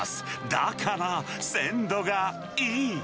だから鮮度がいい。